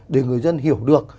để người dân hiểu được